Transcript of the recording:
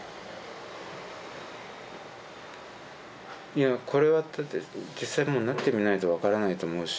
いやこれはだって実際なってみないと分からないと思うし。